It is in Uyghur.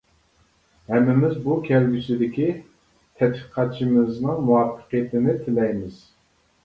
ھەممىمىز بۇ كەلگۈسىدىكى تەتقىقاتچىمىزنىڭ مۇۋەپپەقىيىتىنى تىلەيمىز!